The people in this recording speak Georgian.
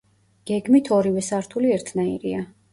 გეგმით ორივე სართული ერთნაირია.